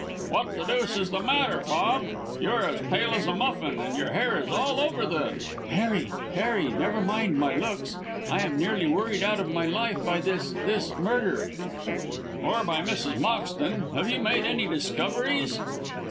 "What the deuce is the matter, Bob? You are as pale as a muffin, and your hair is all over the " "Harry! Harry! Never mind my looks. I am nearly worried out of my life by this this murder." "Or by Mrs. Moxton have you made any discoveries?"